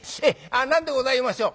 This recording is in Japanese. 何でございましょう？